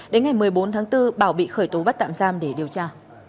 đến ngày một mươi bốn tháng bốn bảo bị khởi tố bắt tạm giam để điều tra